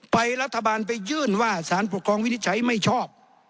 ไปรัฐบาลไปยื่นว่าสารปกครองวินิจฉัยไม่ชอบ